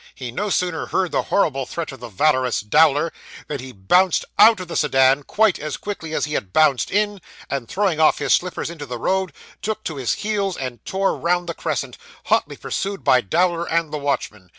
He no sooner heard the horrible threat of the valorous Dowler, than he bounced out of the sedan, quite as quickly as he had bounced in, and throwing off his slippers into the road, took to his heels and tore round the crescent, hotly pursued by Dowler and the watchman.